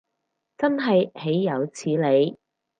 真係豈有此理